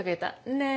ねえ。